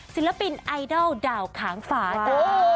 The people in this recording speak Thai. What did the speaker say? ศิลปินไอดอลดาวขางฝาจ้า